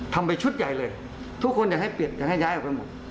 ทำไปชุดใหญ่เลยทุกคนอยากให้เปลี่ยนอยากให้ย้ายออกไปหมด